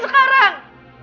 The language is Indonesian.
apa lagi sekarang